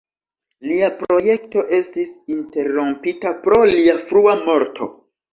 Lia projekto estis interrompita pro lia frua morto.